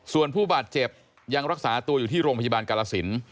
ส่วนผู้บาดเจ็บยังรักษาตัวอยู่ที่โรงพยาบาลกาลสิน